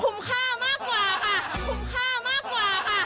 ค่ามากกว่าค่ะคุ้มค่ามากกว่าค่ะ